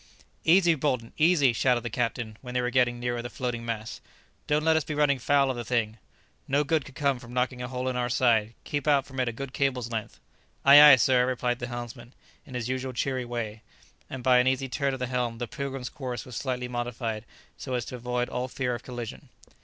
"Easy, Bolton, easy!" shouted the captain when they were getting nearer the floating mass; "don't let us be running foul of the thing; no good could come from knocking a hole in our side; keep out from it a good cable's length." "Ay, ay, sir," replied the helmsman, in his usual cheery way; and by an easy turn of the helm the "Pilgrim's" course was slightly modified so as to avoid all fear of collision.